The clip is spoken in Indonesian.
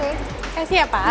terima kasih ya pak